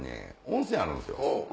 温泉あるんですよ。